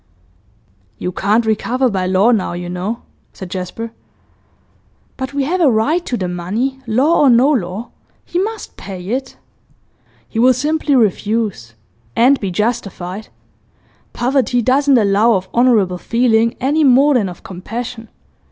'You can't recover by law now, you know,' said Jasper. 'But we have a right to the money, law or no law. He must pay it.' 'He will simply refuse and be justified. Poverty doesn't allow of honourable feeling, any more than of compassion.